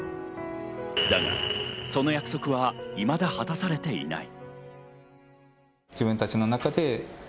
だが、その約束はいまだ果たされていない。